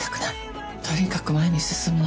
とにかく前に進むの。